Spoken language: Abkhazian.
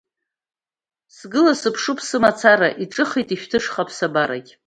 Сгыла сыԥшуп сымацара, иҿыхеит ишәҭышха аԥсабарагь.